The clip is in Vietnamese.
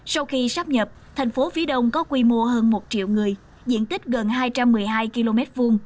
sau khi sắp nhập tp phd có quy mô hơn một triệu người diện tích gần hai trăm một mươi hai km hai